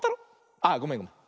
あごめんごめん。